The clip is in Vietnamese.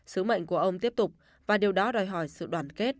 sứ mệnh của ông tiếp tục và điều đó đòi hỏi sự đoàn kết